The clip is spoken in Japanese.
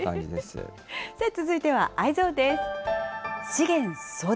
続いてはＥｙｅｓｏｎです。